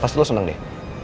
pasti lo seneng deh